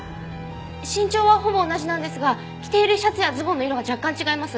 身長はほぼ同じなんですが着ているシャツやズボンの色が若干違います。